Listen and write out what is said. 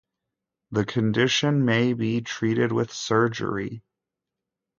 The condition may be treated with surgery.